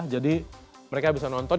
jadi mereka bisa nonton